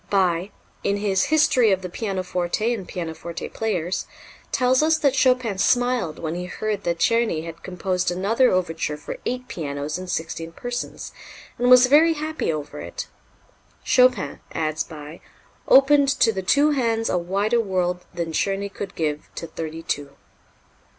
Bie, in his "History of the Pianoforte and Pianoforte Players," tells us that Chopin smiled when he heard that Czerny had composed another overture for eight pianos and sixteen persons, and was very happy over it. "Chopin," adds Bie, "opened to the two hands a wider world than Czerny could give to thirty two."